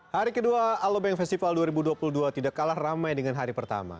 hari kedua alobank festival dua ribu dua puluh dua tidak kalah ramai dengan hari pertama